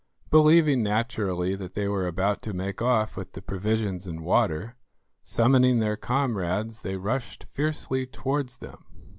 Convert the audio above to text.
Believing naturally that they were about to make off with the provisions and water, summoning their comrades, they rushed fiercely towards them.